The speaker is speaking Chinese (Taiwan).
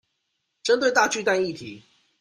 針對大巨蛋議題